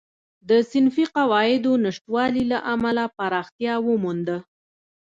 د صنفي قواعدو نشتوالي له امله پراختیا ومونده.